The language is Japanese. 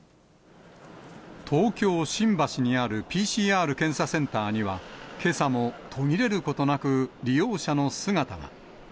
東京・新橋にあるＰＣＲ検査センターには、けさも途切れることなく利用者の姿が。